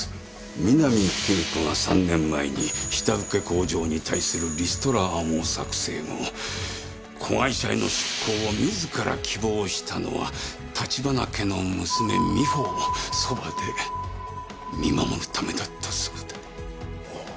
三波圭子が３年前に下請け工場に対するリストラ案を作成後子会社への出向を自ら希望したのは立花家の娘美穂をそばで見守るためだったそうだ。